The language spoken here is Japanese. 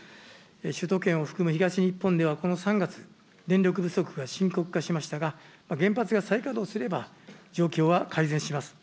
首都圏を含む東日本ではこの３月、電力不足が深刻化しましたが、原発が再稼働すれば、状況は改善します。